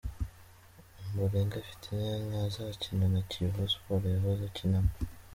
Ombolenga Fitina ntazakina na Kiyovu Sport yahoze akinamo.